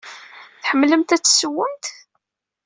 Tḥemmlemt ad tessewwemt?